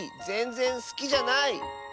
ぜんぜんすきじゃない！